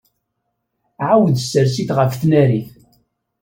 Ɛawed ssers-it ɣef tnarit.